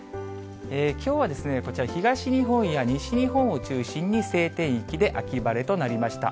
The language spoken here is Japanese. きょうはこちら、東日本や西日本を中心に、晴天域で秋晴れとなりました。